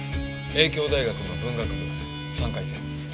英京大学の文学部３回生です。